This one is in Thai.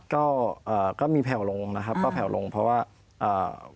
ก็เอ่อก็มีแผ่วลงนะครับก็แผ่วลงเพราะว่าอ่า